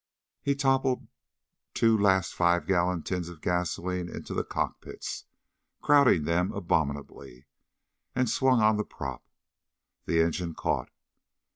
He toppled two last five gallon tins of gasoline into the cockpits crowding them abominably and swung on the prop. The engine caught.